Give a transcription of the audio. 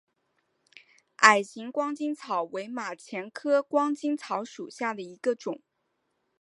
矮形光巾草为马钱科光巾草属下的一个种。